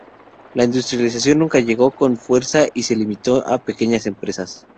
La industrialización nunca llegó con fuerza y se limitó a pequeñas empresas.